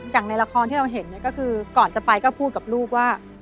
ในละครที่เราเห็นก็คือก่อนจะไปก็พูดกับลูกว่า